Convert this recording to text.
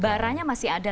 baranya masih ada